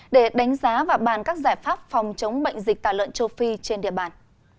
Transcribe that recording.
để đánh giá và bàn các giải pháp phòng chống bệnh dịch tả lợn châu phi trên địa bàn